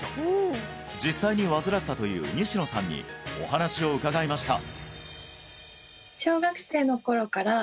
実際に患ったという西野さんにお話を伺いました